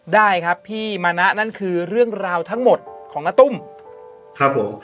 ได้ครับพี่มณะนั่นคือเรื่องราวทั้งหมดของณตุ้มครับผม